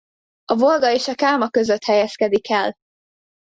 A Volga és a Káma között helyezkedik el.